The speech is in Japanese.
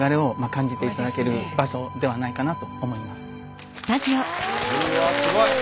うわすごい！